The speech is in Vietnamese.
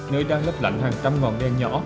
nơi đang lấp lạnh hàng trăm ngọn đen nhỏ